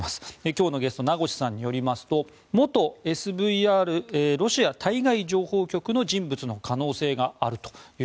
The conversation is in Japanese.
今日のゲスト名越さんによりますと元ＳＶＲ・ロシア対外情報局の人物の可能性があると。